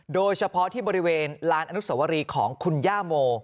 โดยเฉพาะที่บริเวณลานอนุสวรีของคุณย่าโม